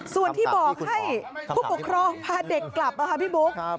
ส่วนที่บอกให้ผู้ปกครองพาเด็กกลับพี่บุ๊ค